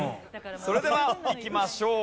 それではいきましょう。